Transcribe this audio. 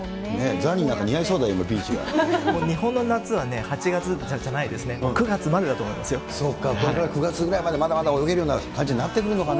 ザニーなんか似合そうだよ、日本の夏はね、８月じゃないそうか、これから９月ぐらいまでまだまだ泳げるような感じになってくるのかね。